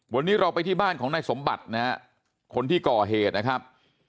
วันนี้เราไปที่บ้านของนายสมบัตินะฮะคนที่ก่อเหตุนะครับ